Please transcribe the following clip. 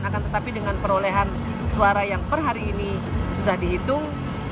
akan tetapi dengan perolehan suara yang per hari ini sudah dihitung